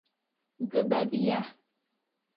Гөбәҙиә.